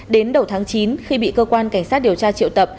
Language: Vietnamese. đến đầu tháng chín khi bị cơ quan cảnh sát điều tra triệu tập